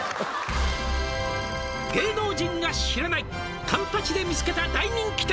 「芸能人が知らない」「環八で見つけた大人気店」